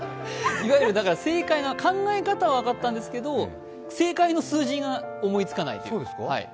考え方は分かったんですけど、正解の数字が思いつかないという。